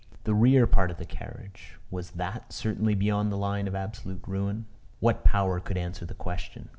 The rear part of the carriage was that certainly beyond the line of absolute ruin? What power could answer the question?